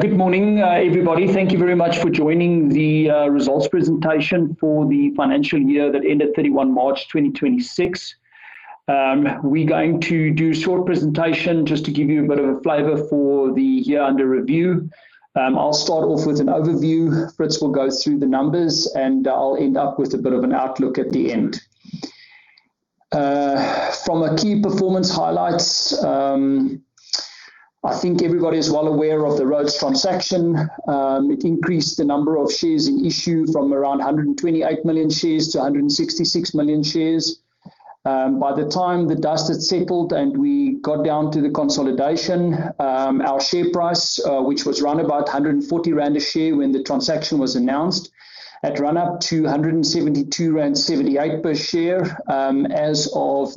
Good morning, everybody. Thank you very much for joining the results presentation for the financial year that ended March 31, 2026. We are going to do a short presentation just to give you a bit of a flavor for the year under review. I will start off with an overview. Fritz Grobbelaar will go through the numbers. I will end up with a bit of an outlook at the end. From a key performance highlights, I think everybody is well aware of the Rhodes transaction. It increased the number of shares in issue from around 128 million shares to 166 million shares. By the time the dust had settled, we got down to the consolidation, our share price, which was around about 140 rand a share when the transaction was announced, had run up to 172.78 rand per share as of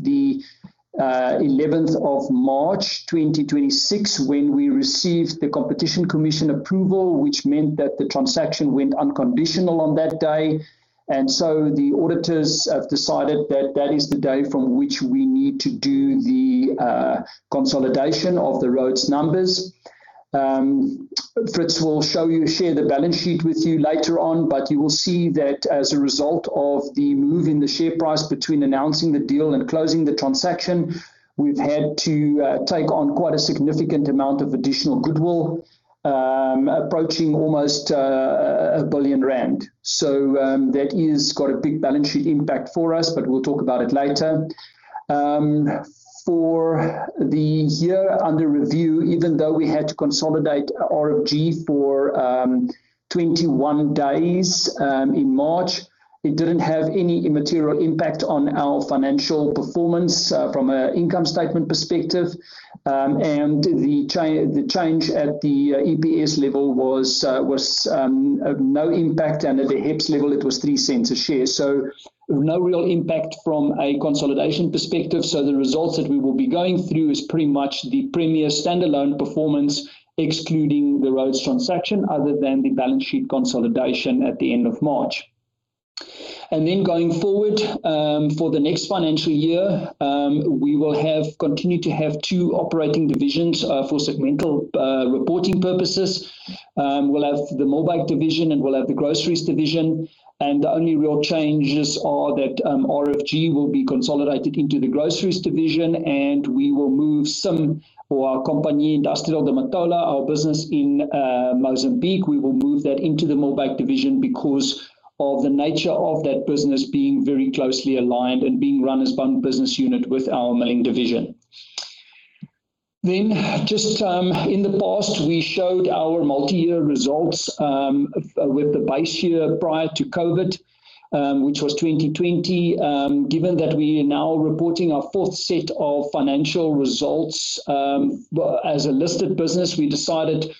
March 11, 2026, when we received the Competition Commission approval, which meant that the transaction went unconditional on that day. The auditors have decided that that is the day from which we need to do the consolidation of the Rhodes numbers. Fritz Grobbelaar will share the balance sheet with you later on. You will see that as a result of the move in the share price between announcing the deal and closing the transaction, we have had to take on quite a significant amount of additional goodwill, approaching almost 1 billion rand. That has got a big balance sheet impact for us. We will talk about it later. For the year under review, even though we had to consolidate RFG for 21 days in March, it did not have any immaterial impact on our financial performance from an income statement perspective. The change at the EPS level was no impact, and at the HEPS level, it was 0.03 a share. No real impact from a consolidation perspective. The results that we will be going through is pretty much the Premier standalone performance, excluding the Rhodes transaction, other than the balance sheet consolidation at the end of March. Going forward, for the next financial year, we will continue to have two operating divisions, for segmental reporting purposes. We will have the Millbake division, and we will have the Groceries division. The only real changes are that RFG will be consolidated into the Groceries division. We will move some for our Companhia Industrial de Matola, our business in Mozambique. We will move that into the Millbake division because of the nature of that business being very closely aligned and being run as one business unit with our milling division. Just in the past, we showed our multi-year results, with the base year prior to COVID, which was 2020. Given that we are now reporting our fourth set of financial results as a listed business, we decided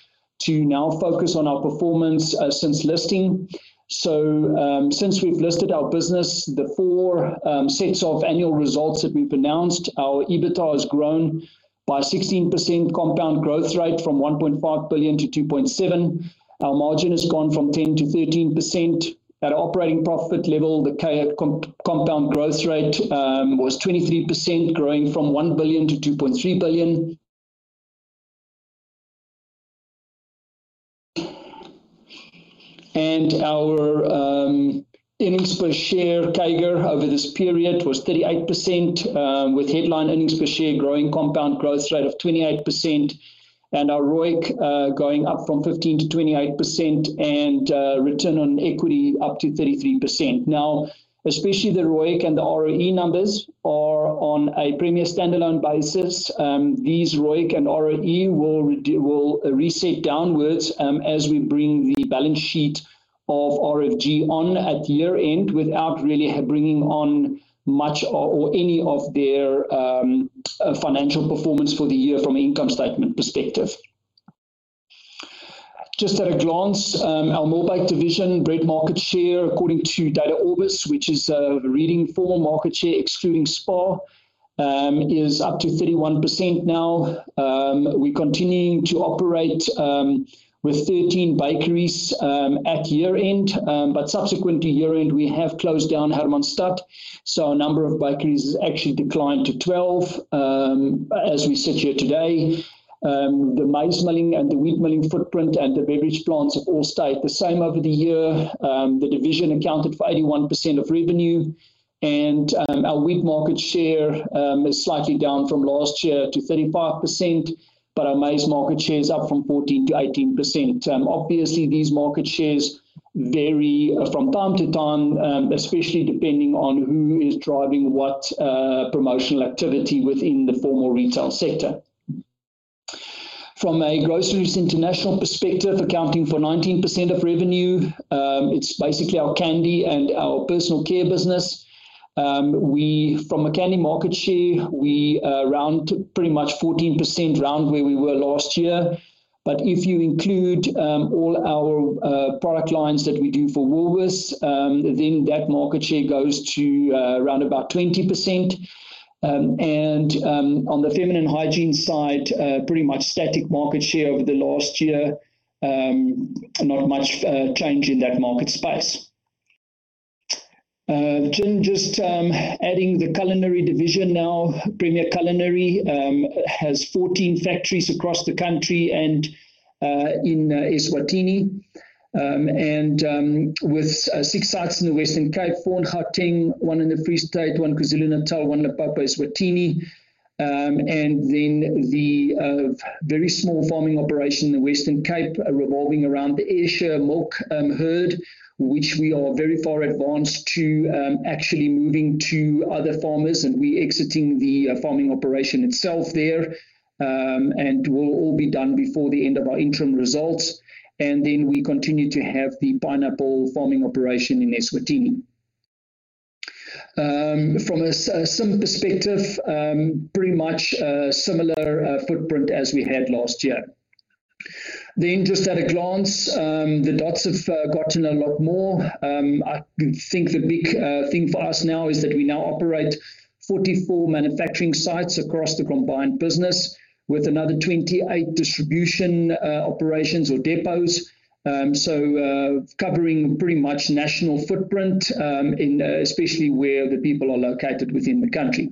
to now focus on our performance since listing. Since we have listed our business, the four sets of annual results that we have announced, our EBITDA has grown by 16% compound growth rate from 1.5 billion to 2.7 billion. Our margin has gone from 10% to 13%. At operating profit level, the CAGR compound growth rate was 23%, growing from 1 billion to 2.3 billion. Our earnings per share CAGR over this period was 38%, with headline earnings per share growing compound growth rate of 28% and our ROIC going up from 15% to 28% and return on equity up to 33%. Especially the ROIC and the ROE numbers are on a Premier standalone basis. These ROIC and ROE will reset downwards as we bring the balance sheet of RFG on at year-end without really bringing on much or any of their financial performance for the year from an income statement perspective. Just at a glance, our Millbake division bread market share, according to DataOrbis, which is a reading for market share excluding SPAR, is up to 31% now. We are continuing to operate with 13 bakeries at year-end. Subsequently year-end, we have closed down Hermanstad, so our number of bakeries has actually declined to 12. As we sit here today, the maize milling and the wheat milling footprint and the beverage plants have all stayed the same over the year. The division accounted for 81% of revenue, and our wheat market share is slightly down from last year to 35%, but our maize market share is up from 14% to 18%. Obviously, these market shares vary from time to time, especially depending on who is driving what promotional activity within the formal retail sector. From a Groceries and International perspective, accounting for 19% of revenue, it is basically our candy and our personal care business. From a candy market share, we are around pretty much 14% around where we were last year. If you include all our product lines that we do for Woolworths, then that market share goes to around about 20%. On the feminine hygiene side, pretty much static market share over the last year. Not much change in that market space. Just adding the culinary division now, Premier Culinary has 14 factories across the country and in Eswatini, with 6 sites in the Western Cape, four in Gauteng, one in the Free State, one KwaZulu-Natal, one in the upper Eswatini. Then the very small farming operation in the Western Cape revolving around the Ayrshire milk herd, which we are very far advanced to actually moving to other farmers and we exiting the farming operation itself there, and will all be done before the end of our interim results. Then we continue to have the pineapple farming operation in Eswatini. From a CIM perspective, pretty much a similar footprint as we had last year. Just at a glance, the dots have gotten a lot more. I think the big thing for us now is that we now operate 44 manufacturing sites across the combined business with another 28 distribution operations or depots. Covering pretty much national footprint, especially where the people are located within the country.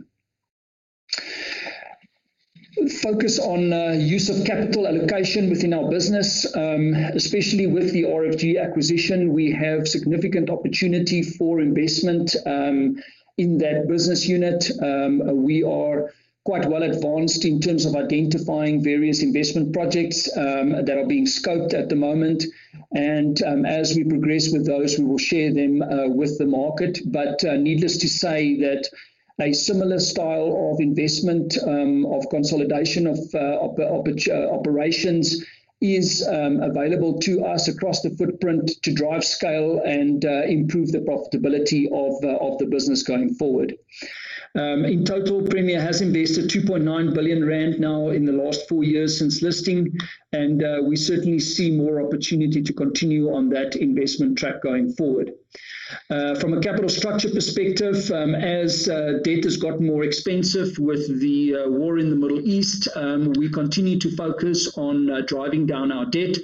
Focus on use of capital allocation within our business, especially with the RFG acquisition, we have significant opportunity for investment in that business unit. We are quite well advanced in terms of identifying various investment projects that are being scoped at the moment. As we progress with those, we will share them with the market. Needless to say that a similar style of investment, of consolidation of operations is available to us across the footprint to drive scale and improve the profitability of the business going forward. In total, Premier has invested 2.9 billion rand now in the last four years since listing, and we certainly see more opportunity to continue on that investment track going forward. From a capital structure perspective, as debt has got more expensive with the war in the Middle East, we continue to focus on driving down our debt.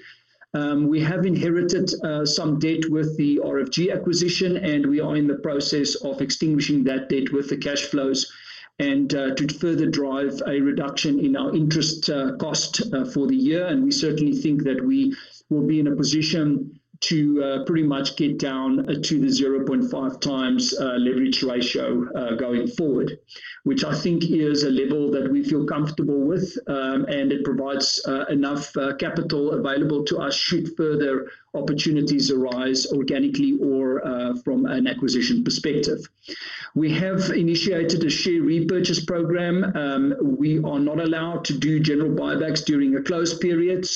We have inherited some debt with the RFG acquisition, and we are in the process of extinguishing that debt with the cash flows and to further drive a reduction in our interest cost for the year. We certainly think that we will be in a position to pretty much get down to the 0.5x leverage ratio going forward, which I think is a level that we feel comfortable with. It provides enough capital available to us should further opportunities arise organically or from an acquisition perspective. We have initiated a share repurchase program. We are not allowed to do general buybacks during a closed period.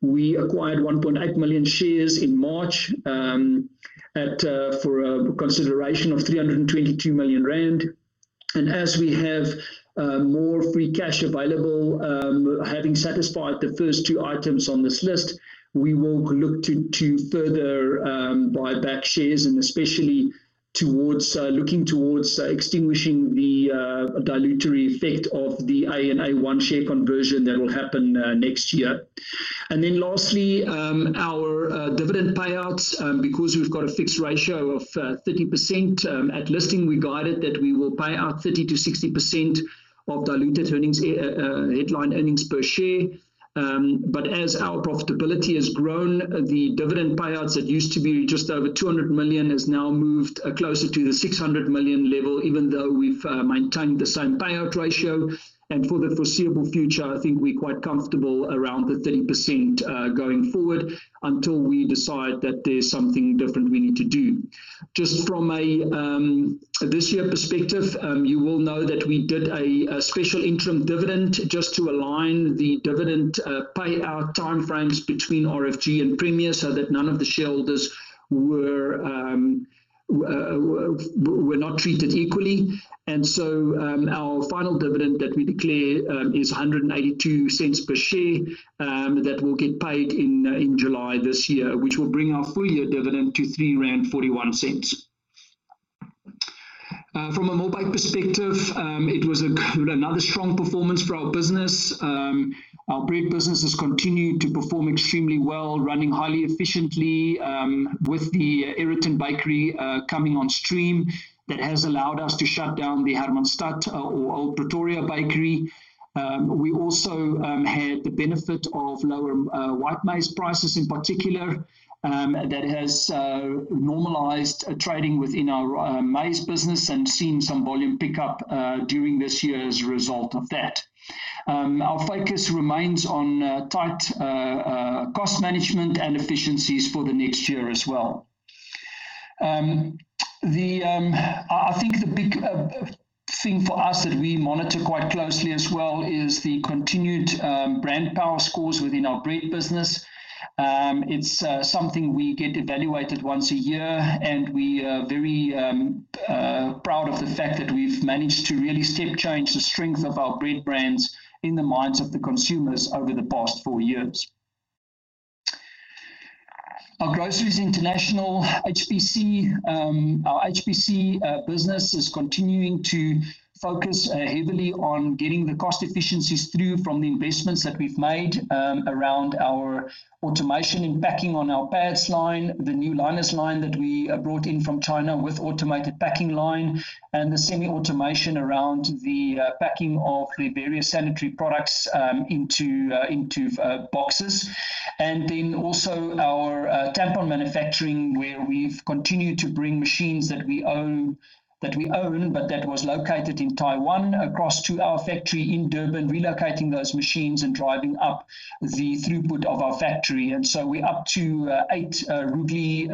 We acquired 1.8 million shares in March for a consideration of 322 million rand. As we have more free cash available, having satisfied the first two items on this list, we will look to further buy back shares and especially looking towards extinguishing the dilutive effect of the A and A1 share conversion that will happen next year. Lastly, our dividend payouts, because we've got a fixed ratio of 30%. At listing, we guided that we will pay out 30%-60% of diluted headline earnings per share. As our profitability has grown, the dividend payouts that used to be just over 200 million has now moved closer to the 600 million level, even though we've maintained the same payout ratio. For the foreseeable future, I think we're quite comfortable around the 30% going forward until we decide that there's something different we need to do. Just from a this year perspective, you will know that we did a special interim dividend just to align the dividend payout time frames between RFG and Premier so that none of the shareholders were not treated equally. Our final dividend that we declare is 1.82 per share that will get paid in July this year, which will bring our full year dividend to 3.41 rand. From a Millbake perspective, it was another strong performance for our business. Our bread business has continued to perform extremely well, running highly efficiently with the Aeroton bakery coming on stream. That has allowed us to shut down the Hermanstad or Old Pretoria bakery. We also had the benefit of lower white maize prices in particular, that has normalized trading within our maize business and seen some volume pickup during this year as a result of that. Our focus remains on tight cost management and efficiencies for the next year as well. I think the big thing for us that we monitor quite closely as well is the continued brand power scores within our bread business. It's something we get evaluated once a year. We are very proud of the fact that we've managed to really step change the strength of our bread brands in the minds of the consumers over the past four years. Our Groceries and International, our HPC business is continuing to focus heavily on getting the cost efficiencies through from the investments that we've made around our automation in packing on our pads line, the new liners line that we brought in from China with automated packing line, and the semi-automation around the packing of the various sanitary products into boxes. Also our tampon manufacturing, where we've continued to bring machines that we own, but that was located in Taiwan, across to our factory in Durban, relocating those machines and driving up the throughput of our factory. We're up to eight Rudly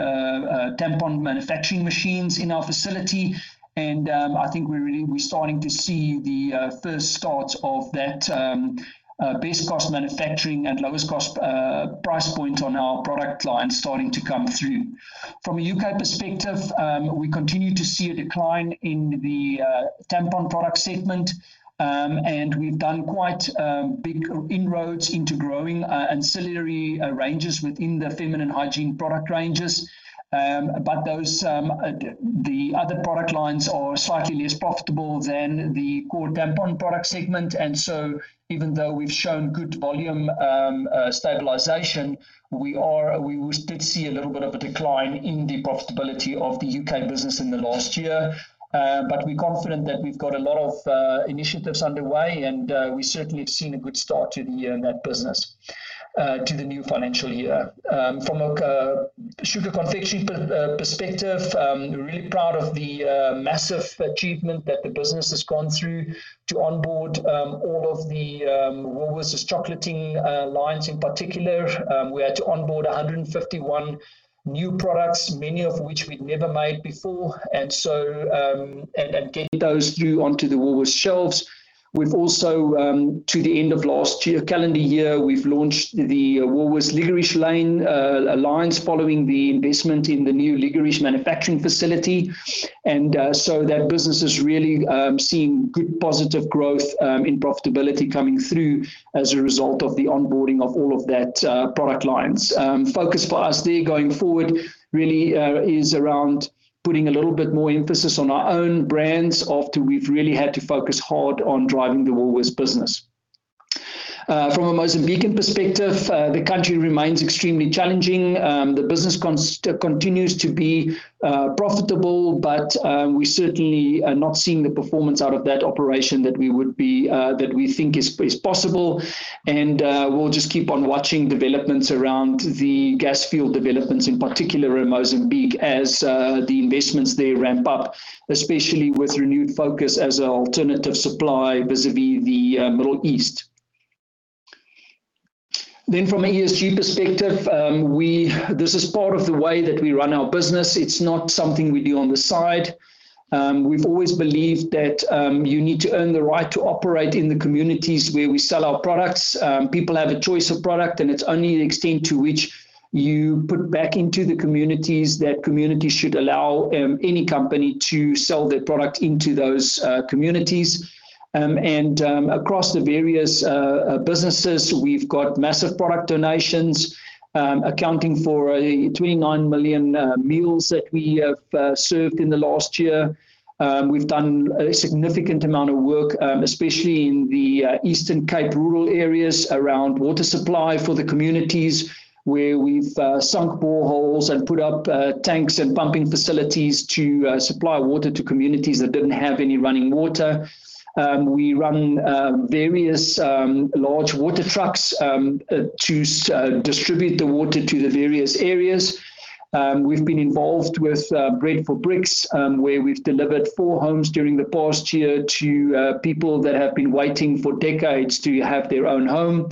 tampon manufacturing machines in our facility. I think we're starting to see the first starts of that best cost manufacturing and lowest price point on our product line starting to come through. From a U.K. perspective, we continue to see a decline in the tampon product segment. We've done quite big inroads into growing ancillary ranges within the feminine hygiene product ranges. The other product lines are slightly less profitable than the core tampon product segment. Even though we've shown good volume stabilization, we did see a little bit of a decline in the profitability of the U.K. business in the last year. We're confident that we've got a lot of initiatives underway and we certainly have seen a good start to the year in that business, to the new financial year. From a sugar confection perspective, we're really proud of the massive achievement that the business has gone through to onboard all of the Woolworths chocolatine lines in particular. We had to onboard 151 new products, many of which we'd never made before, and get those through onto the Woolworths shelves. To the end of last calendar year, we've launched the Woolworths licorice lines following the investment in the new licorice manufacturing facility. That business is really seeing good positive growth in profitability coming through as a result of the onboarding of all of that product lines. Focus for us there going forward really is around putting a little bit more emphasis on our own brands after we've really had to focus hard on driving the Woolworths business. From a Mozambican perspective, the country remains extremely challenging. The business continues to be profitable. We certainly are not seeing the performance out of that operation that we think is possible. We'll just keep on watching developments around the gas field developments, in particular in Mozambique as the investments there ramp up, especially with renewed focus as an alternative supply vis-à-vis the Middle East. From an ESG perspective, this is part of the way that we run our business. It's not something we do on the side. We've always believed that you need to earn the right to operate in the communities where we sell our products. People have a choice of product, and it's only the extent to which you put back into the communities that communities should allow any company to sell their product into those communities. Across the various businesses, we've got massive product donations accounting for 29 million meals that we have served in the last year. We have done a significant amount of work, especially in the Eastern Cape rural areas, around water supply for the communities, where we have sunk boreholes and put up tanks and pumping facilities to supply water to communities that did not have any running water. We run various large water trucks to distribute the water to the various areas. We have been involved with Bread for Bricks, where we have delivered four homes during the past year to people that have been waiting for decades to have their own home.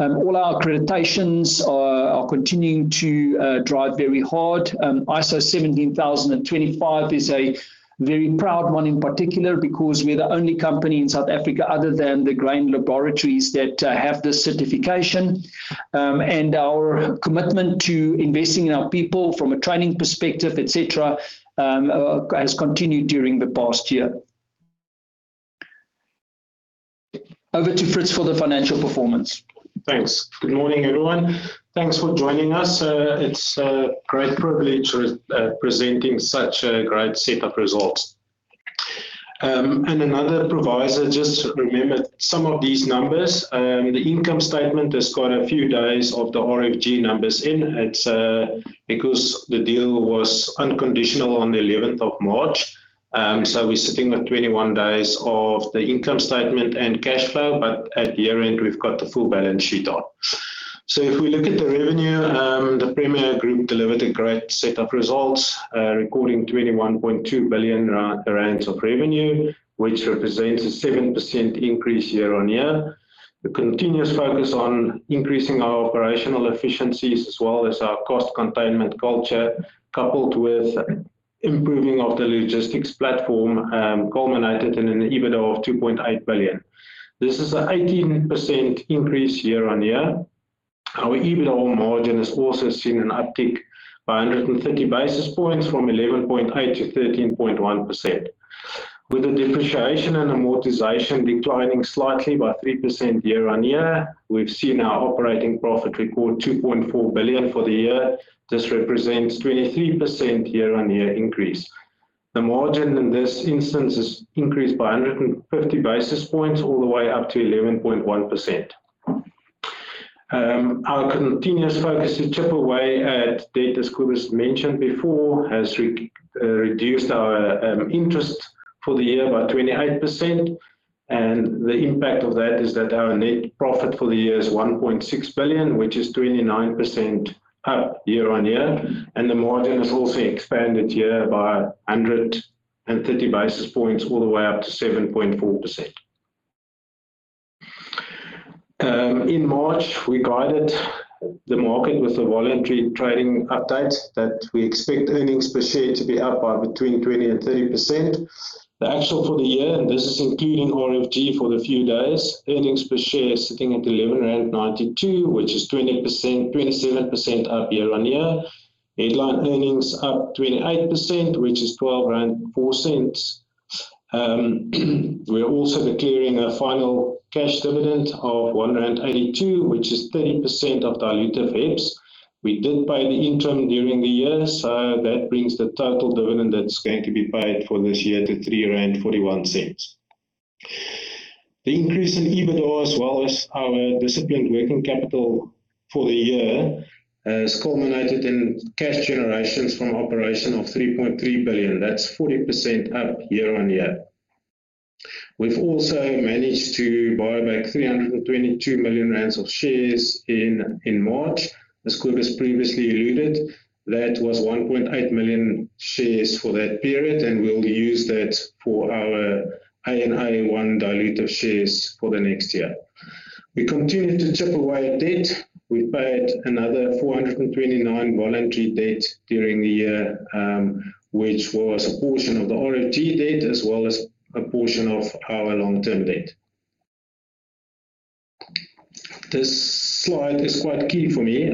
All our accreditations are continuing to drive very hard. ISO 17025 is a very proud one in particular, because we are the only company in South Africa, other than the grain laboratories, that have this certification. Our commitment to investing in our people from a training perspective, et cetera, has continued during the past year. Over to Fritz Grobbelaar for the financial performance. Thanks. Good morning, everyone. Thanks for joining us. It is a great privilege presenting such a great set of results. Another proviso, just remember some of these numbers. The income statement has got a few days of the RFG numbers in. It is because the deal was unconditional on the 11th of March. So we are sitting on 21 days of the income statement and cash flow, but at year-end, we have got the full balance sheet on. If we look at the revenue, the Premier Group delivered a great set of results, recording 21.2 billion rand of revenue, which represents a 7% increase year-on-year. The continuous focus on increasing our operational efficiencies as well as our cost containment culture, coupled with improving of the logistics platform, culminated in an EBITDA of 2.8 billion. This is an 18% increase year-on-year. Our EBITDA margin has also seen an uptick by 130 basis points from 11.8% to 13.1%. With the depreciation and amortization declining slightly by 3% year-on-year, we have seen our operating profit record 2.4 billion for the year. This represents 23% year-on-year increase. The margin in this instance has increased by 150 basis points all the way up to 11.1%. Our continuous focus to chip away at debt, as Kobus mentioned before, has reduced our interest for the year by 28%, and the impact of that is that our net profit for the year is 1.6 billion, which is 29% up year-on-year, and the margin has also expanded year by 130 basis points all the way up to 7.4%. In March, we guided the market with the voluntary trading update that we expect earnings per share to be up by between 20% and 30%. The actual for the year, this is including RFG for the few days, earnings per share sitting at 11.92 rand, which is 27% up year-over-year. Headline earnings up 28%, which is ZAR 12.04. We are also declaring a final cash dividend of 1.82 rand, which is 30% of dilutive EPS. That brings the total dividend that's going to be paid for this year to 3.41 rand. The increase in EBITDA, as well as our disciplined working capital for the year, has culminated in cash generations from operation of 3.3 billion. That's 40% up year-over-year. We've also managed to buy back 322 million rand of shares in March. As Kobus previously alluded, that was 1.8 million shares for that period, we'll use that for our A and A1 dilutive shares for the next year. We continue to chip away at debt. We paid another 429 million voluntary debt during the year, which was a portion of the RFG debt as well as a portion of our long-term debt. This slide is quite key for me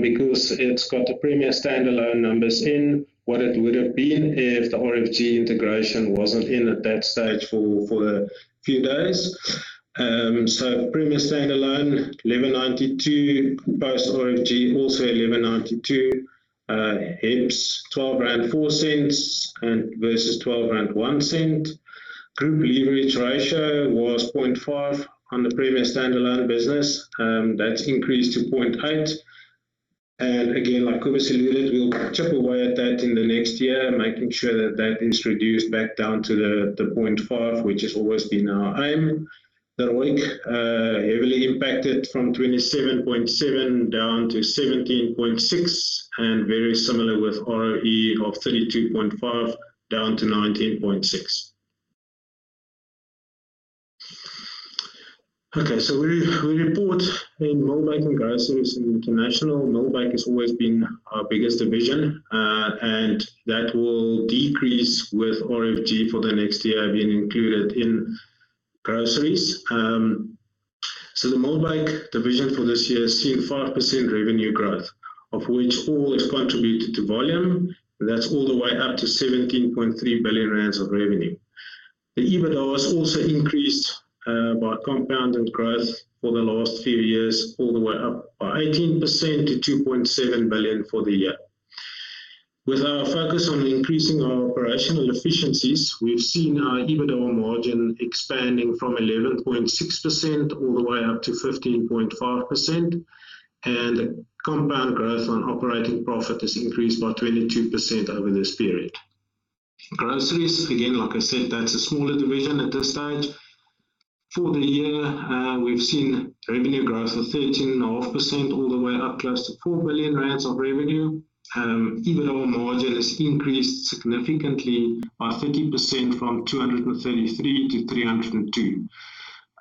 because it's got the Premier standalone numbers in what it would have been if the RFG integration wasn't in at that stage for the few days. Premier standalone, 11.92. Post RFG, also 11.92. EPS, 12.04 versus 12.01 rand. Group leverage ratio was 0.5 on the Premier standalone business. That's increased to 0.8. Again, like Kobus alluded, we'll chip away at that in the next year, making sure that that is reduced back down to the 0.5, which has always been our aim. The ROIC heavily impacted from 27.7% down to 17.6%, and very similar with ROE of 32.5% down to 19.6%. We report in Millbake and Groceries and International. Millbake has always been our biggest division, that will decrease with RFG for the next year being included in Groceries. The Millbake division for this year has seen 5% revenue growth, of which all is contributed to volume. That's all the way up to 17.3 billion rand of revenue. The EBITDA has also increased by compound growth for the last few years, all the way up by 18% to 2.7 billion for the year. With our focus on increasing our operational efficiencies, we've seen our EBITDA margin expanding from 11.6% all the way up to 15.5%. Compound growth on operating profit has increased by 22% over this period. Groceries, again, like I said, that's a smaller division at this stage. For the year, we've seen revenue growth of 13.5% all the way up close to 4 billion rand of revenue. EBITDA margin has increased significantly by 30% from 233 million to 302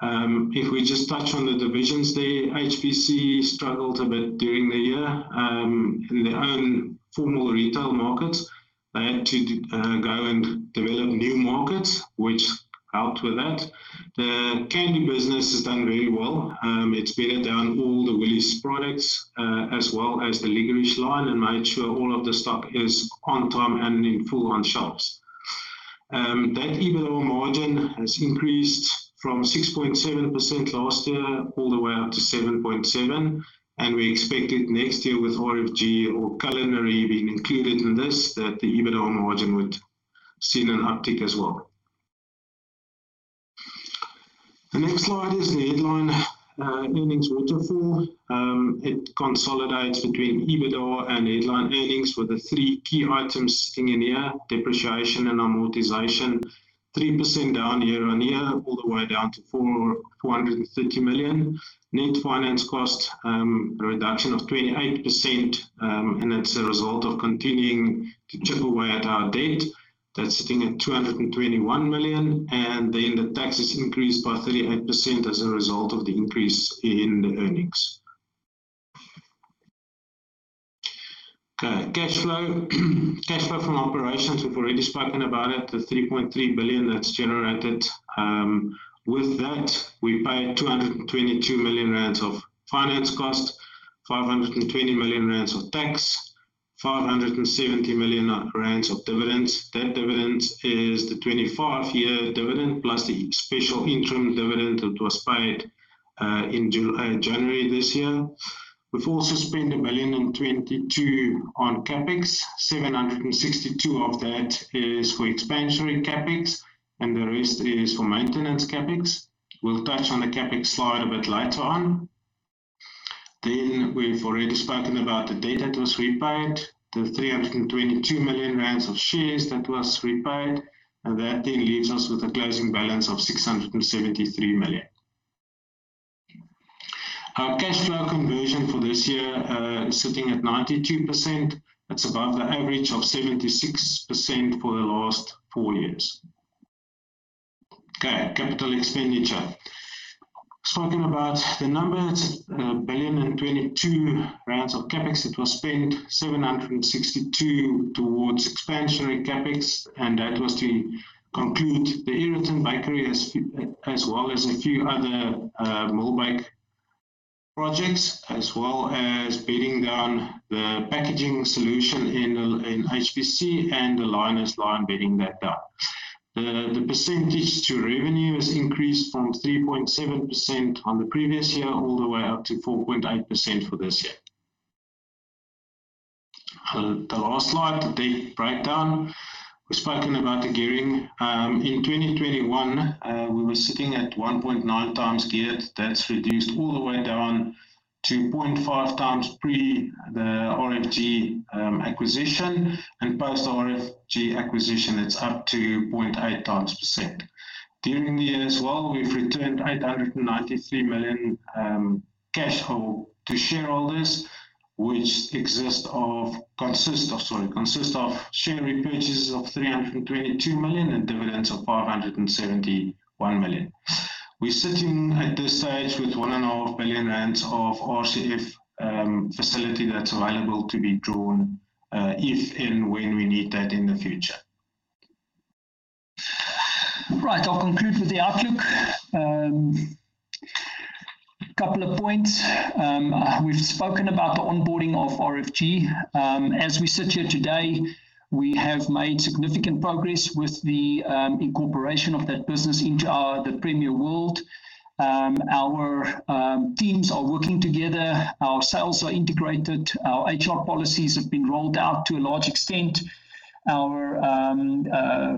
million. If we just touch on the divisions there, HPC struggled a bit during the year in their own formal retail markets. They had to go and develop new markets, which helped with that. The candy business has done very well. It's bedded down all the Woolies products, as well as the licorice line, made sure all of the stock is on time and in full on shelves. EBITDA margin has increased from 6.7% last year all the way up to 7.7%. We expect it next year with RFG or culinary being included in this, that the EBITDA margin would see an uptick as well. The next slide is the headline earnings waterfall. It consolidates between EBITDA and headline earnings with the three key items sitting in here. Depreciation and amortization, 3% down year-over-year, all the way down to 430 million. Net finance cost, a reduction of 28%. That's a result of continuing to chip away at our debt. That's sitting at 221 million. The taxes increased by 38% as a result of the increase in the earnings. Okay, cash flow. Cash flow from operations, we've already spoken about it, the 3.3 billion that's generated. With that, we paid 222 million rand of finance cost, 520 million rand of tax, 570 million rand of dividends. That dividend is the 25-year dividend, plus the special interim dividend that was paid in January this year. We've also spent 1,022,762 on CapEx. Of that, ZAR 762 million is for expansionary CapEx. The rest is for maintenance CapEx. We'll touch on the CapEx slide a bit later on. We've already spoken about the debt that was repaid, the 322 million rand of shares that was repaid. That then leaves us with a closing balance of 673 million. Our cash flow conversion for this year is sitting at 92%. That's above the average of 76% for the last four years. Okay, capital expenditure. Spoken about the numbers, 1,022,762 rand of CapEx. It was spent 762 million towards expansionary CapEx. That was to conclude the Aeroton Bakery, as well as a few other Millbake projects, as well as bedding down the packaging solution in HVC and the liners line bedding that down. The percentage to revenue has increased from 3.7% on the previous year all the way up to 4.8% for this year. The last slide, the debt breakdown. We've spoken about the gearing. In 2021, we were sitting at 1.9x geared. That's reduced all the way down to 0.5x pre the RFG acquisition. Post RFG acquisition, it's up to 0.8x percent. During the year as well, we've returned 893 million cash flow to shareholders, which consists of share repurchases of 322 million and dividends of 571 million. We're sitting at this stage with 1.5 billion rand of RCF facility that's available to be drawn if and when we need that in the future. Right. I'll conclude with the outlook. Couple of points. We've spoken about the onboarding of RFG. As we sit here today, we have made significant progress with the incorporation of that business into the Premier world. Our teams are working together, our sales are integrated, our HR policies have been rolled out to a large extent. Our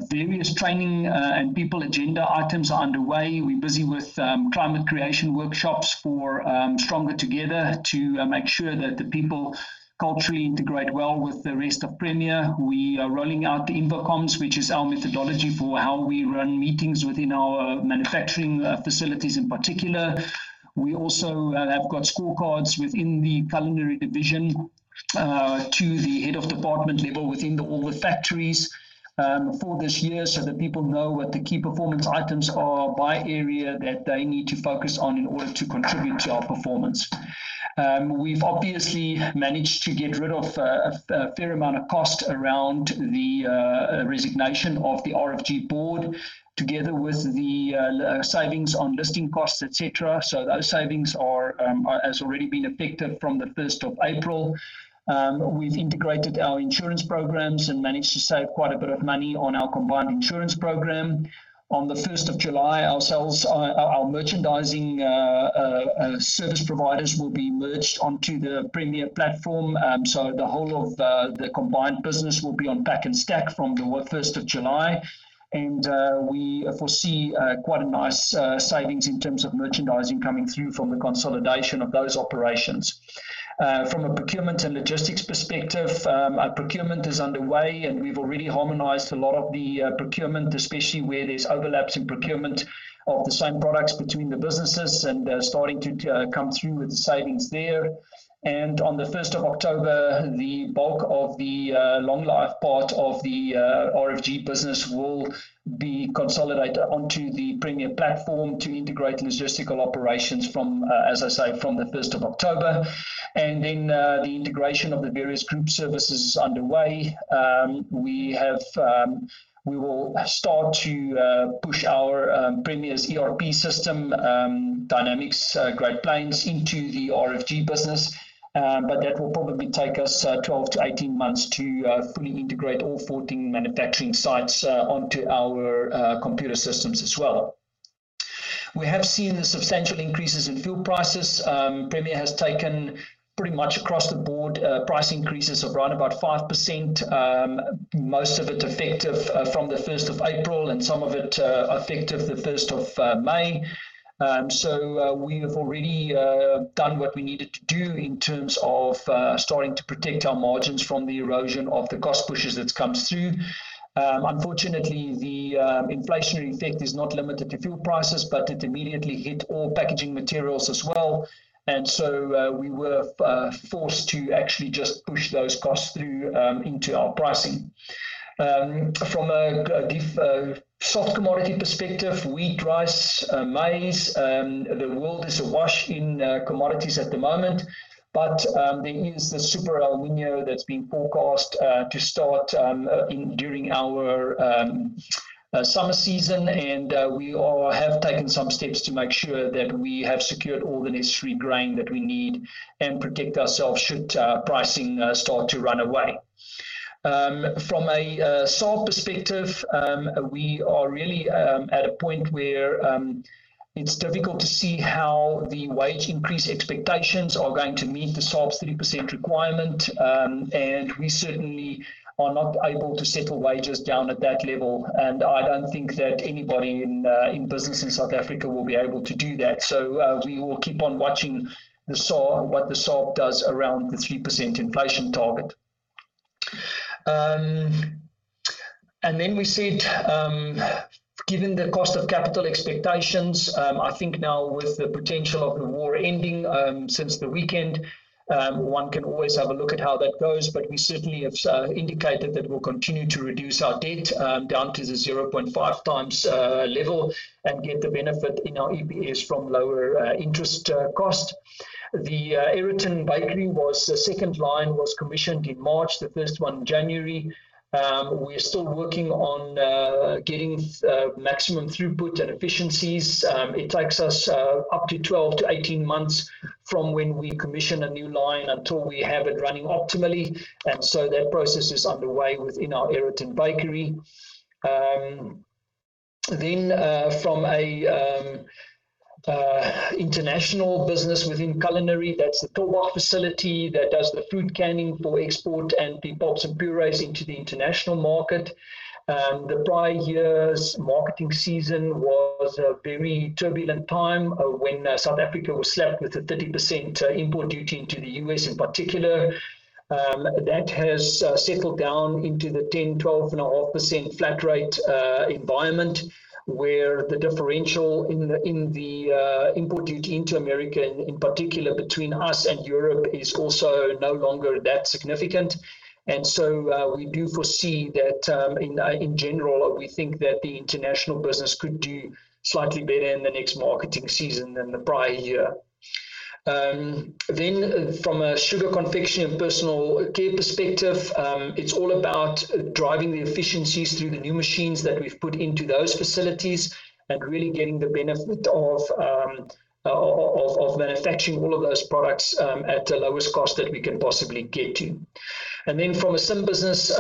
various training and people agenda items are underway. We're busy with climate creation workshops for Stronger Together to make sure that the people culturally integrate well with the rest of Premier. We are rolling out INVOCOM, which is our methodology for how we run meetings within our manufacturing facilities in particular. We also have got scorecards within the culinary division to the head of department level within all the factories for this year so that people know what the key performance items are by area that they need to focus on in order to contribute to our performance. We've obviously managed to get rid of a fair amount of cost around the resignation of the RFG board, together with the savings on listing costs, et cetera. Those savings has already been effective from the 1st of April. We've integrated our insurance programs and managed to save quite a bit of money on our combined insurance program. On July 1st, our merchandising service providers will be merged onto the Premier platform. The whole of the combined business will be on Pack & Stack from July 1st. We foresee quite a nice savings in terms of merchandising coming through from the consolidation of those operations. From a procurement and logistics perspective, procurement is underway and we've already harmonized a lot of the procurement, especially where there's overlaps in procurement of the same products between the businesses and starting to come through with the savings there. On October 1st, the bulk of the long life part of the RFG business will be consolidated onto the Premier platform to integrate logistical operations from, as I say, from October 1st. The integration of the various group services is underway. We will start to push our Premier's ERP system, Dynamics Great Plains, into the RFG business. That will probably take us 12-18 months to fully integrate all 14 manufacturing sites onto our computer systems as well. We have seen the substantial increases in fuel prices. Premier has taken pretty much across the board price increases of right about 5%, most of it effective from April 1st and some of it effective the 1st of May. We have already done what we needed to do in terms of starting to protect our margins from the erosion of the cost pushes that's come through. Unfortunately, the inflationary effect is not limited to fuel prices, but it immediately hit all packaging materials as well. We were forced to actually just push those costs through into our pricing. From a soft commodity perspective, wheat, rice, maize, the world is awash in commodities at the moment. There is the super El Niño that's been forecast to start during our summer season, and we have taken some steps to make sure that we have secured all the necessary grain that we need and protect ourselves should pricing start to run away. From a SARB perspective, we are really at a point where it's difficult to see how the wage increase expectations are going to meet the SARB's 3% requirement. We certainly are not able to settle wages down at that level. I don't think that anybody in business in South Africa will be able to do that. We will keep on watching what the SARB does around the 3% inflation target. We said, given the cost of capital expectations, I think now with the potential of the war ending since the weekend, one can always have a look at how that goes. We certainly have indicated that we'll continue to reduce our debt down to the 0.5x level and get the benefit in our EPS from lower interest cost. The Aeroton Bakery, the second line was commissioned in March, the first one January. We are still working on getting maximum throughput and efficiencies. It takes us up to 12-18 months from when we commission a new line until we have it running optimally. That process is underway within our Aeroton Bakery. From a international business within culinary, that's the Tulbagh facility that does the food canning for export and the pots and burettes into the international market. The prior year's marketing season was a very turbulent time when South Africa was slapped with a 30% import duty into the U.S. in particular. That has settled down into the 10%-12.5% flat rate environment, where the differential in the import duty into America, in particular between us and Europe is also no longer that significant. We do foresee that, in general, we think that the international business could do slightly better in the next marketing season than the prior year. From a sugar confection and personal care perspective, it's all about driving the efficiencies through the new machines that we've put into those facilities and really getting the benefit of manufacturing all of those products at the lowest cost that we can possibly get to. From a CIM business,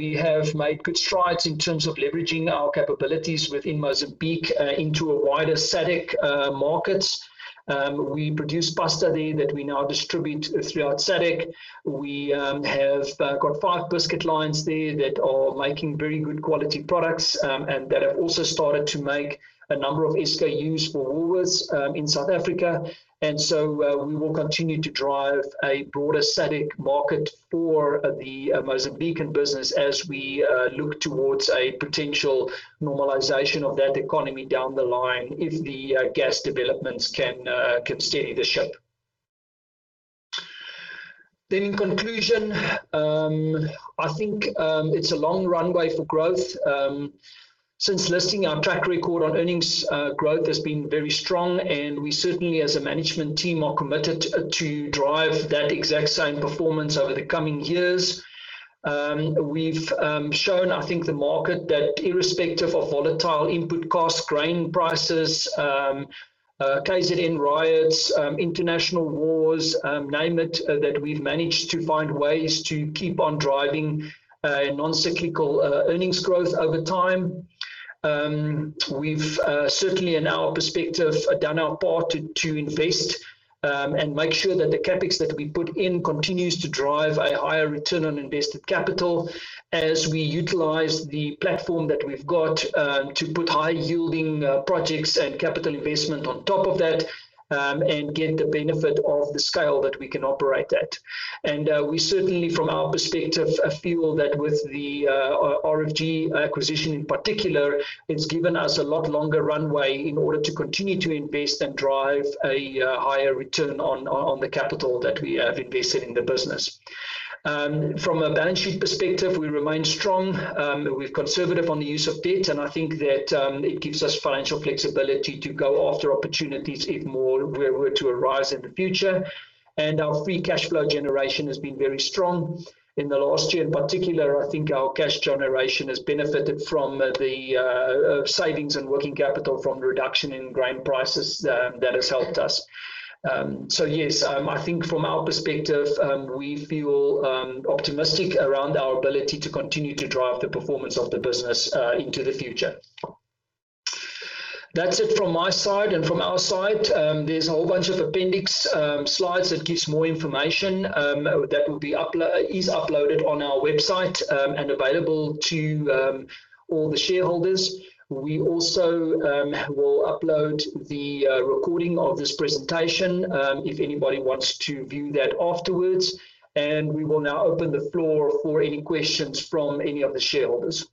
we have made good strides in terms of leveraging our capabilities within Mozambique into a wider SADC market. We produce pasta there that we now distribute throughout SADC. We have got five biscuit lines there that are making very good quality products, and that have also started to make a number of SKUs for Woolworths in South Africa. We will continue to drive a broader SADC market for the Mozambican business as we look towards a potential normalization of that economy down the line, if the gas developments can steady the ship. In conclusion, I think it's a long runway for growth. Since listing our track record on earnings, growth has been very strong, and we certainly, as a management team, are committed to drive that exact same performance over the coming years. We've shown, I think, the market that irrespective of volatile input costs, grain prices, KZN riots, international wars, name it, that we've managed to find ways to keep on driving non-cyclical earnings growth over time. We've certainly, in our perspective, done our part to invest and make sure that the CapEx that we put in continues to drive a higher return on invested capital as we utilize the platform that we've got to put high yielding projects and capital investment on top of that, and get the benefit of the scale that we can operate at. We certainly, from our perspective, feel that with the RFG acquisition in particular, it's given us a lot longer runway in order to continue to invest and drive a higher return on the capital that we have invested in the business. From a balance sheet perspective, we remain strong. We're conservative on the use of debt. I think that it gives us financial flexibility to go after opportunities if more were to arise in the future. Our free cash flow generation has been very strong. In the last year in particular, I think our cash generation has benefited from the savings and working capital from the reduction in grain prices. That has helped us. Yes, I think from our perspective, we feel optimistic around our ability to continue to drive the performance of the business into the future. That's it from my side and from our side. There's a whole bunch of appendix slides that gives more information, that is uploaded on our website, and available to all the shareholders. We also will upload the recording of this presentation, if anybody wants to view that afterwards. We will now open the floor for any questions from any of the shareholders.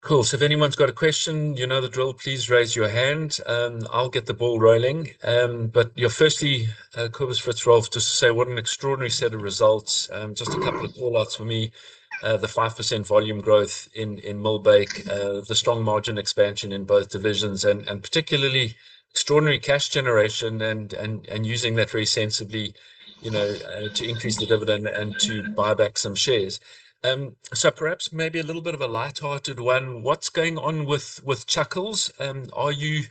Cool. If anyone's got a question, you know the drill, please raise your hand. I'll get the ball rolling. Firstly, Kobus, first of all, just to say what an extraordinary set of results. Just a couple of call-outs for me. The 5% volume growth in Millbake, the strong margin expansion in both divisions, and particularly extraordinary cash generation and using that very sensibly to increase the dividend and to buy back some shares. Perhaps maybe a little bit of a lighthearted one. What's going on with Chuckles? Are you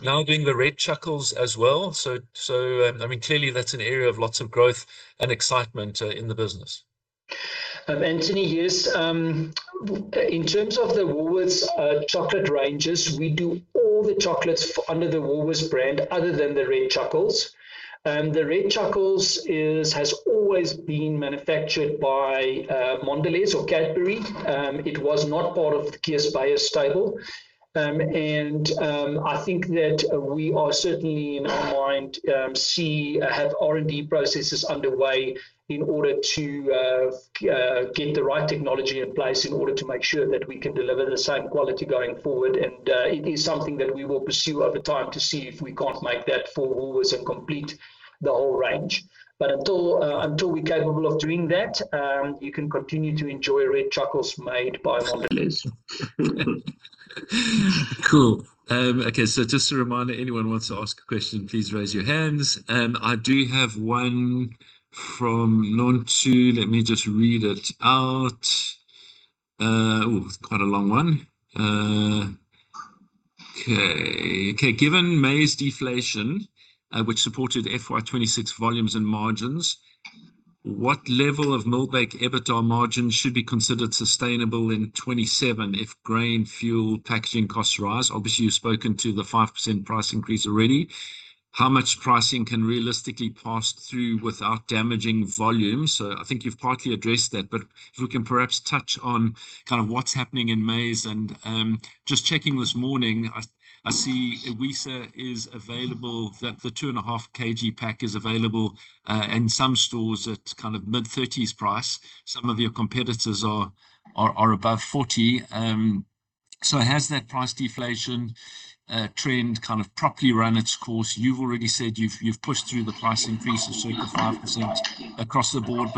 now doing the red Chuckles as well? Clearly that's an area of lots of growth and excitement in the business. Anthony, yes. In terms of the Woolworths chocolate ranges, we do all the chocolates under the Woolworths brand other than the Red Chuckles. The Red Chuckles has always been manufactured by Mondelez or Cadbury. It was not part of the Kiersey buyers stable. I think that we are certainly, in our mind, have R&D processes underway in order to get the right technology in place in order to make sure that we can deliver the same quality going forward. It is something that we will pursue over time to see if we can't make that for Woolworths and complete the whole range. Until we're capable of doing that, you can continue to enjoy Red Chuckles made by Mondelez. Cool. Okay, just a reminder, anyone wants to ask a question, please raise your hands. I do have one from Nonchu. Let me just read it out. Oh, it's quite a long one. Okay. Given maize deflation, which supported FY 2026 volumes and margins, what level of Millbake EBITDA margins should be considered sustainable in 2027 if grain, fuel, packaging costs rise? Obviously, you've spoken to the 5% price increase already. How much pricing can realistically pass through without damaging volumes? I think you've partly addressed that, but if we can perhaps touch on kind of what's happening in maize. Just checking this morning, I see Iwisa is available, that the 2.5 kg pack is available in some stores at kind of mid-30s plus. Some of your competitors are above 40. Has that price deflation trend kind of properly run its course? You've already said you've pushed through the price increases, your 5% across the board,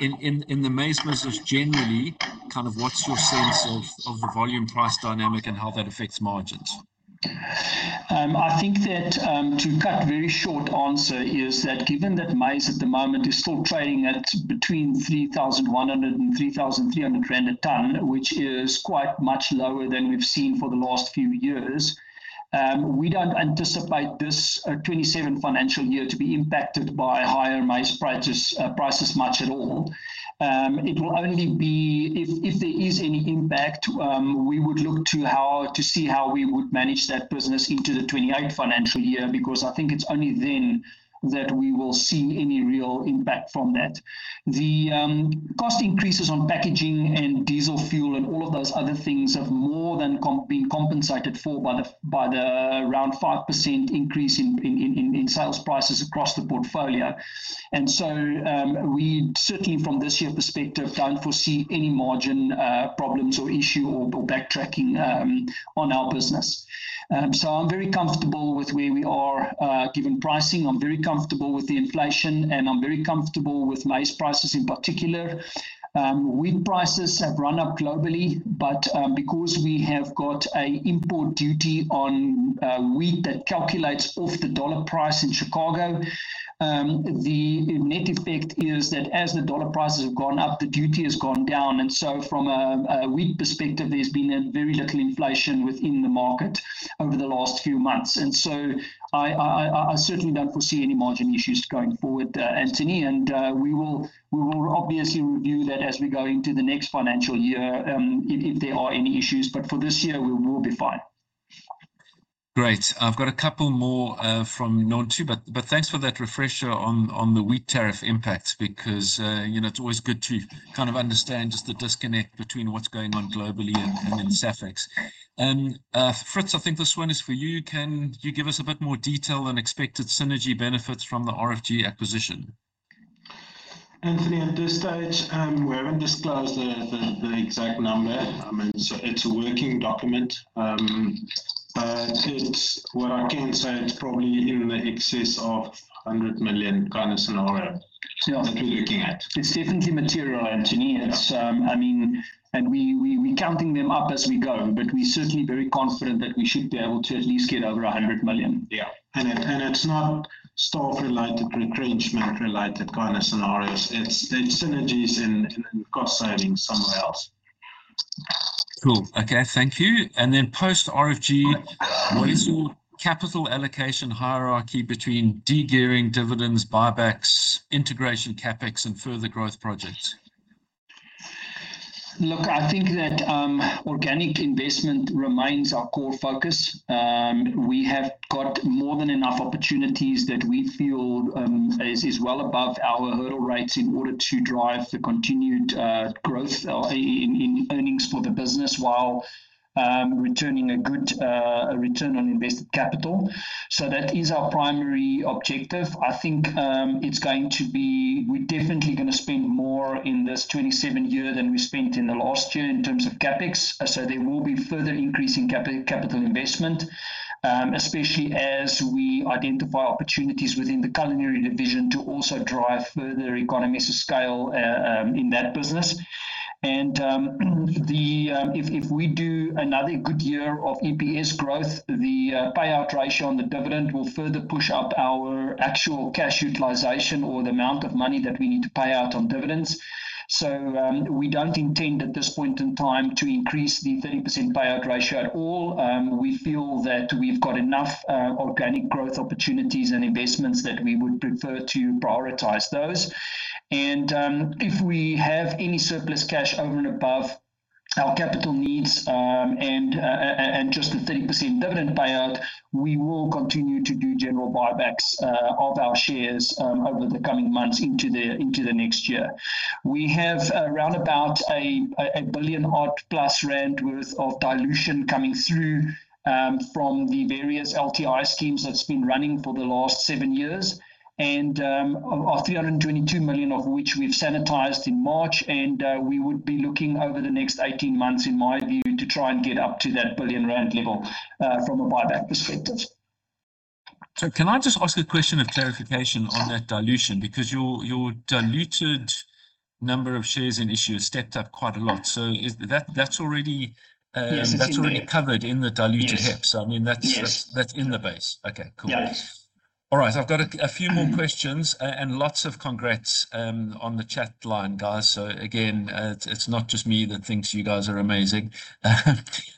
in the maize business generally, kind of what's your sense of the volume price dynamic and how that affects margins? I think that to cut very short answer is that given that maize at the moment is still trading at between 3,100 and 3,300 rand a tonne, which is quite much lower than we've seen for the last few years, we don't anticipate this 2027 financial year to be impacted by higher maize prices much at all. It will only be if there is any impact, we would look to see how we would manage that business into the 2028 financial year, because I think it's only then that we will see any real impact from that. The cost increases on packaging and diesel fuel and all of those other things have more than been compensated for by the around 5% increase in sales prices across the portfolio. We certainly from this year perspective, don't foresee any margin problems or issue or backtracking on our business. I'm very comfortable with where we are given pricing. I'm very comfortable with the inflation, I'm very comfortable with maize prices in particular. Wheat prices have run up globally, because we have got a import duty on wheat that calculates off the U.S. dollar price in Chicago, the net effect is that as the U.S. dollar prices have gone up, the duty has gone down. From a wheat perspective, there's been very little inflation within the market over the last few months. I certainly don't foresee any margin issues going forward, Anthony, and we will obviously review that as we go into the next financial year if there are any issues. For this year, we will be fine. Great. I've got a couple more from Nonchu, thanks for that refresher on the wheat tariff impacts because it's always good to kind of understand just the disconnect between what's going on globally and in Safex. Fritz, I think this one is for you. Can you give us a bit more detail on expected synergy benefits from the RFG acquisition? Anthony, at this stage, we haven't disclosed the exact number. I mean, it's a working document. What I can say it's probably in the excess of 100 million kind of scenario- Yeah -that we're looking at. It's definitely material, Anthony. Yeah. I mean, we're counting them up as we go, but we're certainly very confident that we should be able to at least get over 100 million. Yeah. It's not staff-related, retrenchment-related kind of scenarios. It's synergies and then cost saving somewhere else. Cool. Okay, thank you. Then post RFG, what is your capital allocation hierarchy between de-gearing dividends, buybacks, integration CapEx, and further growth projects? Look, I think that organic investment remains our core focus. We have got more than enough opportunities that we feel is well above our hurdle rates in order to drive the continued growth in earnings for the business while returning a good return on invested capital. That is our primary objective. I think we're definitely going to spend more in this 2027 year than we spent in the last year in terms of CapEx. There will be further increase in capital investment, especially as we identify opportunities within the culinary division to also drive further economies to scale in that business. If we do another good year of EPS growth, the payout ratio on the dividend will further push up our actual cash utilization or the amount of money that we need to pay out on dividends. We don't intend at this point in time to increase the 30% payout ratio at all. We feel that we've got enough organic growth opportunities and investments that we would prefer to prioritize those. If we have any surplus cash over and above our capital needs and just the 30% dividend payout, we will continue to do general buybacks of our shares over the coming months into the next year. We have around about 1 billion odd plus worth of dilution coming through from the various LTI schemes that's been running for the last seven years. Of 322 million of which we've sanitized in March, we would be looking over the next 18 months, in my view, to try and get up to that 1 billion rand level from a buyback perspective. Can I just ask a question of clarification on that dilution? Because your diluted number of shares and issues stepped up quite a lot. That's already- Yes, it's in there. -covered in the diluted HEPS? Yes. I mean- Yes -that's in the base? Okay, cool. Yes. All right. I've got a few more questions, and lots of congrats on the chat line, guys. Again, it's not just me that thinks you guys are amazing.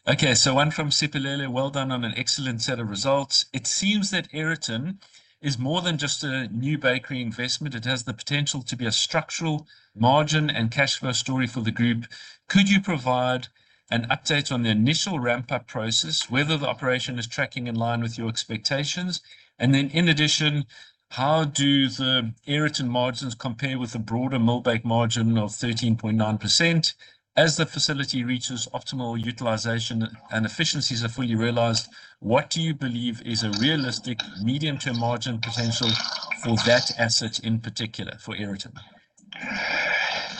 Okay, one from Sepelelo. "Well done on an excellent set of results. It seems that Aeroton is more than just a new bakery investment. It has the potential to be a structural margin and cash flow story for the group. Could you provide an update on the initial ramp-up process, whether the operation is tracking in line with your expectations? In addition, how do the Aeroton margins compare with the broader Millbake margin of 13.9%? As the facility reaches optimal utilization and efficiencies are fully realized, what do you believe is a realistic medium-term margin potential for that asset, in particular, for Aeroton?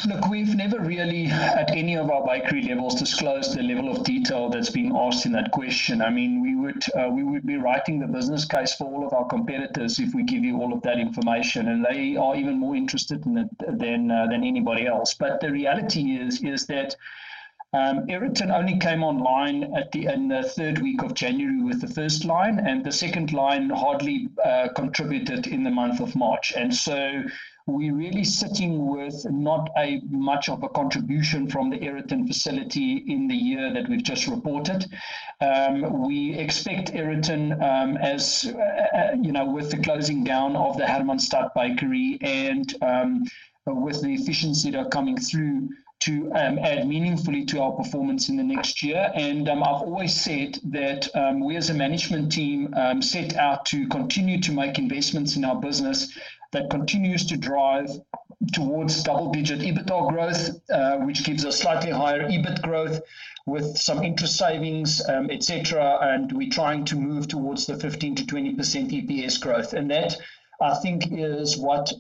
Look, we've never really, at any of our bakery levels, disclosed the level of detail that's been asked in that question. We would be writing the business case for all of our competitors if we give you all of that information, and they are even more interested in it than anybody else. The reality is that Aeroton only came online in the third week of January with the first line, and the second line hardly contributed in the month of March. We're really sitting with not much of a contribution from the Aeroton facility in the year that we've just reported. We expect Aeroton, with the closing down of the Hermanstad Bakery and with the efficiency that are coming through to add meaningfully to our performance in the next year. I've always said that we as a management team set out to continue to make investments in our business that continues to drive towards double-digit EBITDA growth, which gives us slightly higher EBIT growth with some interest savings, et cetera. We're trying to move towards the 15%-20% EPS growth. That, I think is what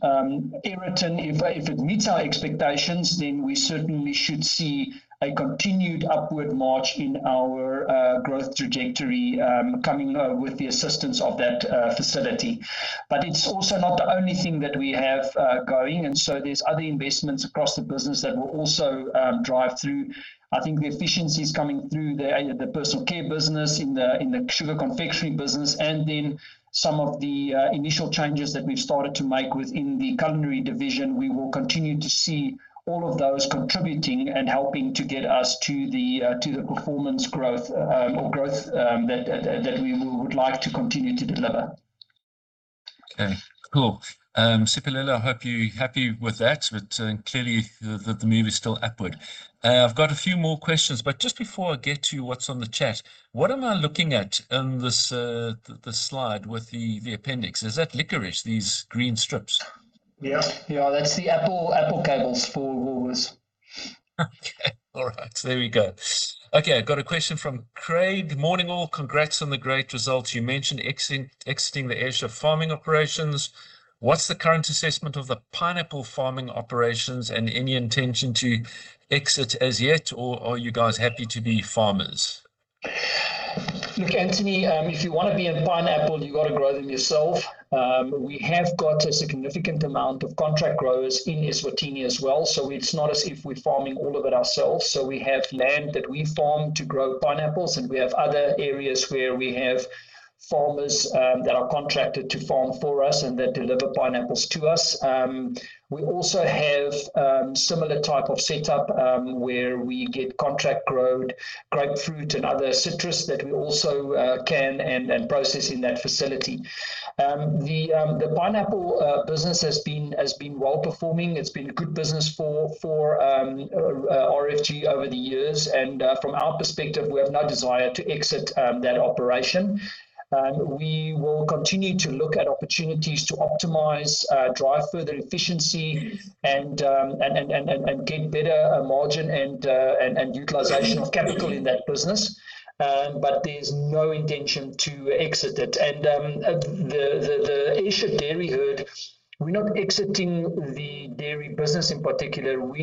Aeroton, if it meets our expectations, then we certainly should see a continued upward march in our growth trajectory coming with the assistance of that facility. It's also not the only thing that we have going, there's other investments across the business that will also drive through. I think the efficiencies coming through the personal care business, in the sugar confectionery business, and then some of the initial changes that we've started to make within the culinary division, we will continue to see all of those contributing and helping to get us to the performance growth or growth that we would like to continue to deliver. Okay, cool. Sepelelo, I hope you're happy with that, clearly that the move is still upward. I've got a few more questions, but just before I get to what's on the chat, what am I looking at in this slide with the appendix? Is that licorice, these green strips? Yeah. That's the apple cables for Woolworths. Okay. All right. There we go. Okay, I've got a question from Craig. "Morning, all. Congrats on the great results. You mentioned exiting the Ayrshire farming operations. What's the current assessment of the pineapple farming operations and any intention to exit as yet, or are you guys happy to be farmers? Look, Anthony, if you want to be in pineapple, you got to grow them yourself. We have got a significant amount of contract growers in Eswatini as well, so it's not as if we're farming all of it ourselves. We have land that we farm to grow pineapples, and we have other areas where we have farmers that are contracted to farm for us and that deliver pineapples to us. We also have similar type of setup, where we get contract-growed grapefruit and other citrus that we also can and process in that facility. The pineapple business has been well-performing. It's been good business for RFG over the years. From our perspective, we have no desire to exit that operation. We will continue to look at opportunities to optimize, drive further efficiency, and get better margin and utilization of capital in that business. There's no intention to exit it. The Ayrshire dairy herd, we're not exiting the dairy business in particular. We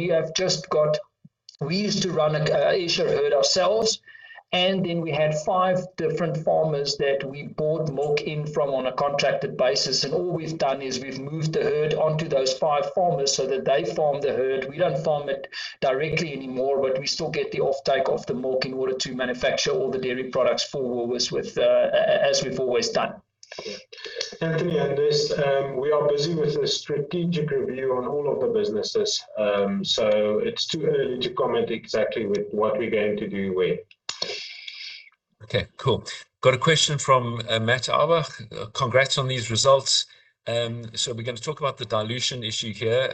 used to run an Ayrshire herd ourselves, and then we had five different farmers that we bought milk in from on a contracted basis. All we've done is we've moved the herd onto those five farmers so that they farm the herd. We don't farm it directly anymore, but we still get the off-take of the milk in order to manufacture all the dairy products for Woolworths as we've always done. Anthony, we are busy with a strategic review on all of the businesses. It's too early to comment exactly with what we're going to do where. Okay, cool. Got a question from Matt Abba. Congrats on these results. We're going to talk about the dilution issue here,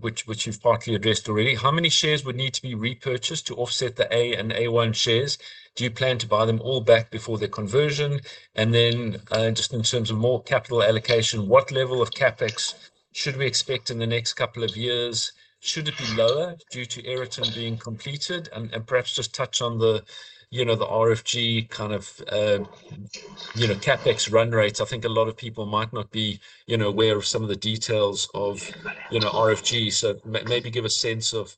which you've partly addressed already. How many shares would need to be repurchased to offset the A and A1 shares? Do you plan to buy them all back before their conversion? Just in terms of more capital allocation, what level of CapEx should we expect in the next couple of years? Should it be lower due to Aeroton being completed? Perhaps just touch on the RFG CapEx run rates. I think a lot of people might not be aware of some of the details of RFG. Maybe give a sense of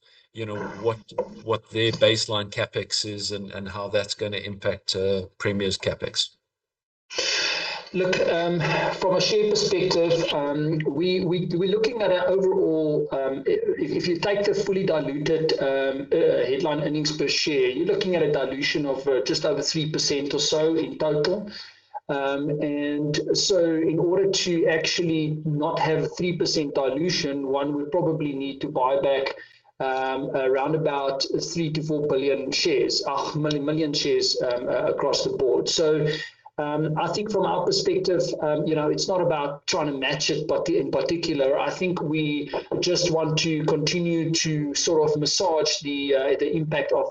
what their baseline CapEx is and how that's going to impact Premier's CapEx. Look, from a share perspective, we're looking at our overall, if you take the fully diluted headline earnings per share, you're looking at a dilution of just over 3% or so in total. In order to actually not have 3% dilution, one would probably need to buy back around about 3 million-4 million shares across the board. I think from our perspective, it's not about trying to match it in particular. I think we just want to continue to sort of massage the impact of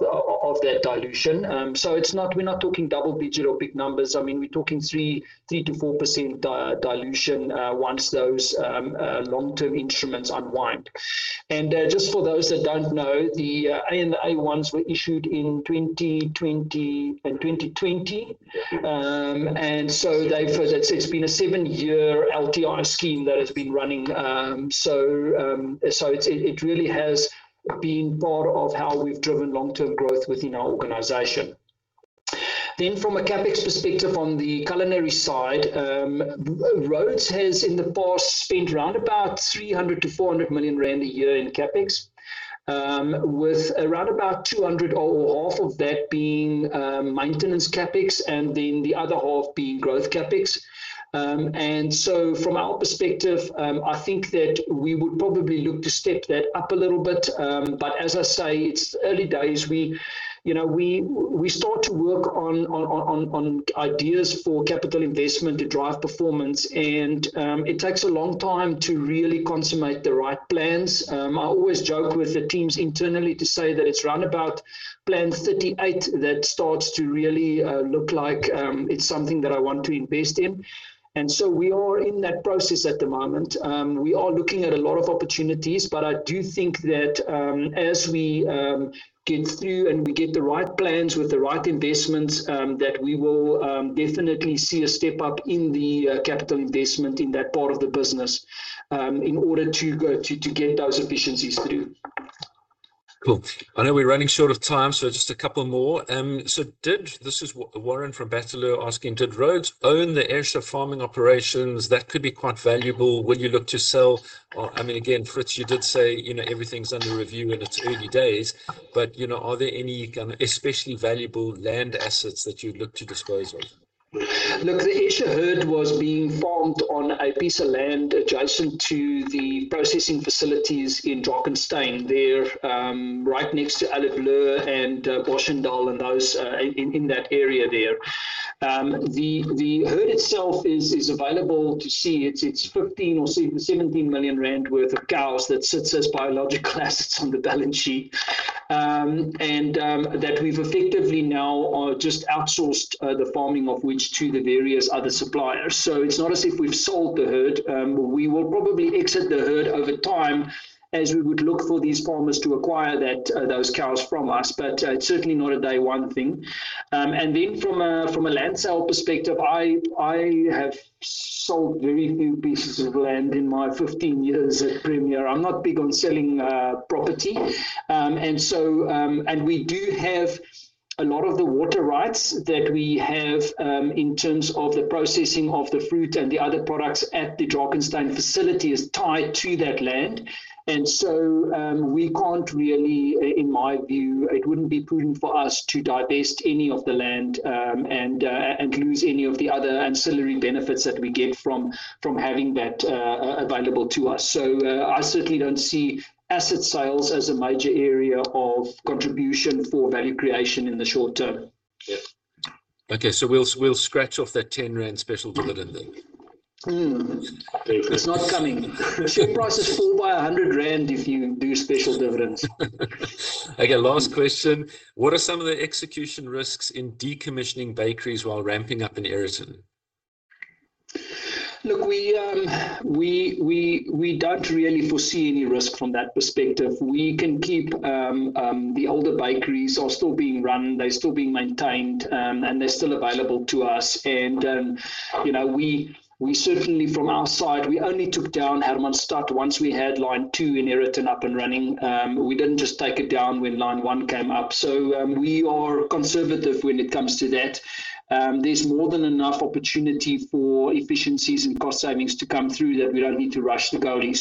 that dilution. We're not talking double digit or big numbers. We're talking 3%-4% dilution once those long-term instruments unwind. Just for those that don't know, the A and A1s were issued in 2020. It's been a seven-year LTI scheme that has been running. It really has been part of how we've driven long-term growth within our organization. From a CapEx perspective on the culinary side, Rhodes has in the past spent around about 300 million-400 million rand a year in CapEx, with around about 200 million or half of that being maintenance CapEx and the other half being growth CapEx. From our perspective, I think that we would probably look to step that up a little bit. As I say, it's early days. We start to work on ideas for capital investment to drive performance, and it takes a long time to really consummate the right plans. I always joke with the teams internally to say that it's around about plan 38 that starts to really look like it's something that I want to invest in. We are in that process at the moment. We are looking at a lot of opportunities. I do think that as we get through and we get the right plans with the right investments, that we will definitely see a step up in the capital investment in that part of the business in order to get those efficiencies through. Cool. I know we're running short of time, just a couple more. This is Warren from Bateleur asking, "Did Rhodes own the Ayrshire farming operations? That could be quite valuable. Will you look to sell?" Again, Fritz, you did say everything's under review and it's early days. Are there any kind of especially valuable land assets that you'd look to dispose of? The Ayrshire herd was being farmed on a piece of land adjacent to the processing facilities in Drakenstein there, right next to Allée Bleue and Boschendal and those in that area there. The herd itself is available to see. It's 15 million or 17 million rand worth of cows that sits as biological assets on the balance sheet. That we've effectively now just outsourced the farming of which to the various other suppliers. It's not as if we've sold the herd. We will probably exit the herd over time as we would look for these farmers to acquire those cows from us, it's certainly not a day 1 thing. From a land sale perspective, I have sold very few pieces of land in my 15 years at Premier. I'm not big on selling property. We do have a lot of the water rights that we have, in terms of the processing of the fruit and the other products at the Drakenstein facility is tied to that land. We can't really, in my view, it wouldn't be prudent for us to divest any of the land, and lose any of the other ancillary benefits that we get from having that available to us. I certainly don't see asset sales as a major area of contribution for value creation in the short term. Okay. We'll scratch off that 10 rand special dividend then. There you go. It's not coming. Share prices fall by 100 rand if you do special dividends. Okay, last question. What are some of the execution risks in decommissioning bakeries while ramping up in Aeroton? We don't really foresee any risk from that perspective. The older bakeries are still being run, they're still being maintained, and they're still available to us. We certainly from our side, we only took down Hermanstad once we had line 2 in Aeroton up and running. We didn't just take it down when line 1 came up. We are conservative when it comes to that. There's more than enough opportunity for efficiencies and cost savings to come through that we don't need to rush the goalie.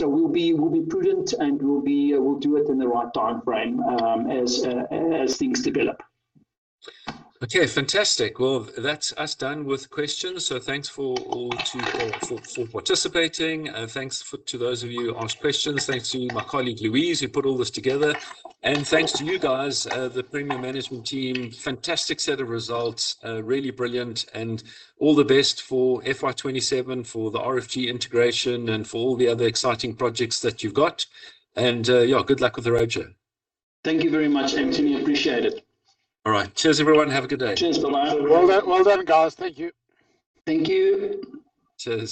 We'll be prudent and we'll do it in the right timeframe as things develop. Okay, fantastic. That's us done with questions, thanks for all participating. Thanks to those of you who asked questions. Thanks to my colleague Louise, who put all this together. Thanks to you guys, the Premier Management team. Fantastic set of results, really brilliant. All the best for FY 2027, for the RFG integration, and for all the other exciting projects that you've got. Good luck with the roadshow. Thank you very much, Anthony. Appreciate it. All right. Cheers everyone, have a good day. Cheers. Bye-bye. Well done, guys. Thank you Thank you. Cheers.